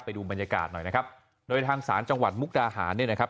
ไปดูบรรยากาศหน่อยนะครับโดยทางศาลจังหวัดมุกดาหารเนี่ยนะครับ